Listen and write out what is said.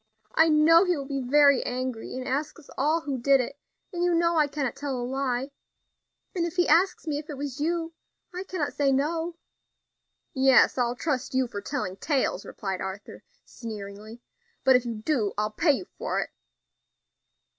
I know he will be very angry, and ask us all who did it; and you know I cannot tell a lie, and if he asks me if it was you, I cannot say no." "Yes, I'll trust you for telling tales," replied Arthur, sneeringly; "but if you do, I'll pay you for it."